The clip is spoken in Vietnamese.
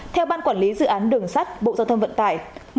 theo ban quản lý dự án đường sắt bộ giao thông vận tải